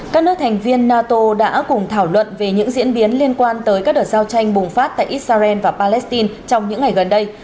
các nước thành viên nato đã cùng thảo luận về những diễn biến liên quan tới các đợt giao tranh bùng phát tại israel và palestine trong những ngày gần đây